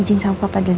ijin sama papa dulu ya